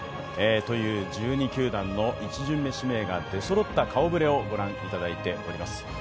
１２球団の１巡目指名が出そろった顔ぶれをご覧いただいております。